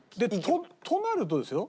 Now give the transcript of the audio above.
となるとですよ